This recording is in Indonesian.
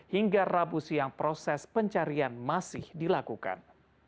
hingga rabu siang proses pencarian masih dilakukan